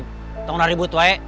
kita gak ribut ya